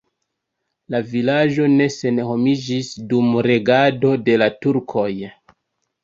La vilaĝo ne senhomiĝis dum regado de la turkoj.